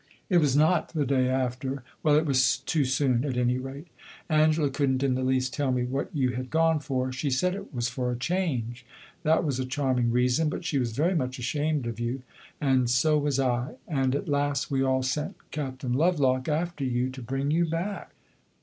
It was not the day after? Well, it was too soon, at any rate. Angela could n't in the least tell me what you had gone for; she said it was for a 'change.' That was a charming reason! But she was very much ashamed of you and so was I; and at last we all sent Captain Lovelock after you to bring you back.